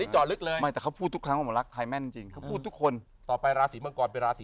ชอบไปเป๋าประกาศ